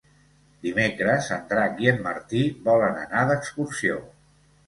Dimecres en Drac i en Martí volen anar d'excursió.